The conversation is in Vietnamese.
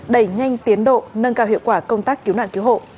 đẩy nhanh tiến độ nâng cao hiệu quả công tác cứu nạn cứu hộ